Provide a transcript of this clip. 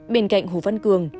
bên cạnh hồ văn cường